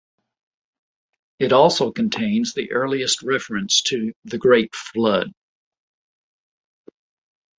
It also contains the earliest reference to The Great Flood.